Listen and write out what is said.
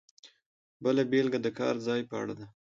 بله بېلګه د کار ځای په اړه ده.